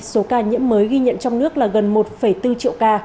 số ca nhiễm mới ghi nhận trong nước là gần một bốn triệu ca